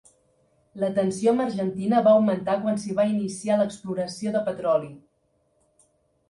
La tensió amb Argentina va augmentar quan s'hi va iniciar l'exploració de petroli.